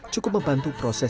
cukup membantu prosesnya